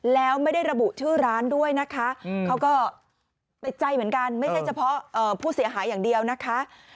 แล้วไม่ได้ระบุชื่อร้านด้วยนะคะเขาก็ติดใจเหมือนกันไม่ใช่เฉพาะผู้เสียหายอย่างเดียวนะคะ